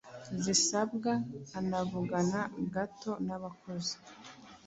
zisabwe anavugana gato n'abakozi